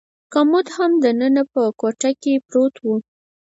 کمود هم دننه په کوټه کې پروت و.